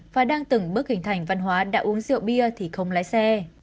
và đang từng bước hình thành văn hóa đã uống rượu bia thì không lái xe